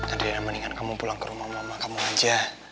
andrian mendingan kamu pulang ke rumah mama kamu aja